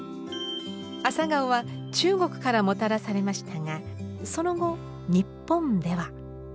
アサガオは中国からもたらされましたがその後日本では。